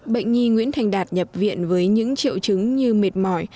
bệnh nhi nguyễn thành đạt nhập viện với những triệu chứng như mệt mỏi